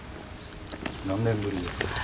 何年ぶりですか？